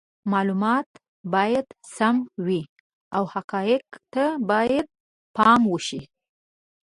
معلومات باید سم وي او حقایقو ته باید پام وشي.